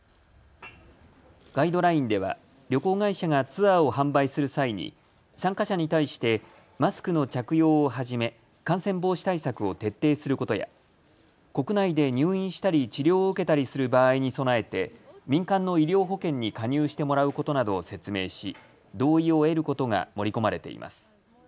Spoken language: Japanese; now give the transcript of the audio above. ガイドラインでは旅行会社がツアーを販売する際に参加者に対してマスクの着用をはじめ感染防止対策を徹底することや国内で入院したり治療を受けたりする場合に備えて民間の医療保険に加入してもらうことなどを説明し同意を得ることが盛り込まれています。